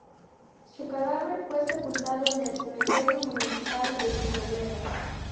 Su cadáver fue sepultado en el cementerio municipal de Villanueva.